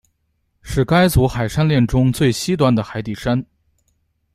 是该组海山炼中最西端的海底山。